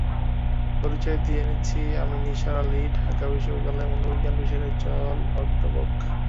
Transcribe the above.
পরিচয় দিয়ে নিচ্ছিঃ আমি নিসার আলি, ঢাকা বিশ্ববিদ্যালয়ের মনোবিজ্ঞান বিষয়ের এক জল অধ্যাপক।